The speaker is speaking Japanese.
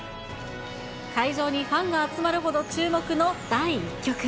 会場にファンが集まるほど注目の第１局。